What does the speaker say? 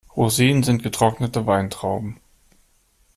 Rosinen sind getrocknete Weintrauben.